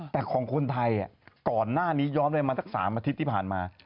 แต่ของคนไทยจากนี้อย้อมไปมาสัก๓อาทิตย์ที่ผ่านมา